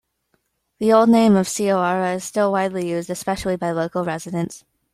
The old name of "Cioara" is still widely used, especially by local residents.